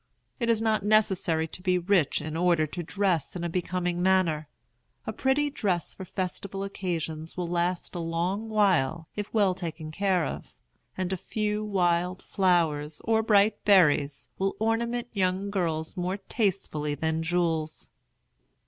It is not necessary to be rich in order to dress in a becoming manner. A pretty dress for festival occasions will last a long while, if well taken care of; and a few wild flowers, or bright berries, will ornament young girls more tastefully than jewels.